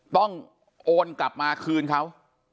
โอนกลับมาคืนเขา